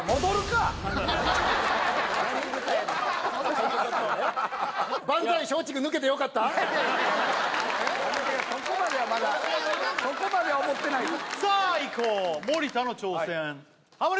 ちょっとちょっとそこまではまだそこまでは思ってないさあいこう森田の挑戦ハモリ